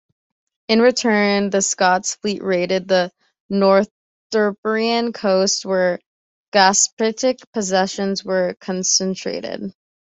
In return, the Scots fleet raided the Northumbrian coast where Gospatric's possessions were concentrated.